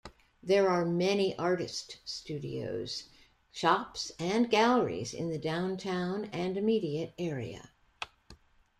There are many artist studios, shops and galleries in the downtown and immediate area.